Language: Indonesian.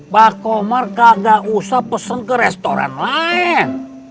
pakomar kagak usah pesen ke restoran lain